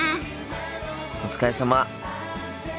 お疲れさま。